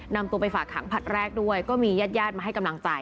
นำตัวไปฝากขังผลัดแรกด้วยก็มีญาติญาติมาให้กำลังใจ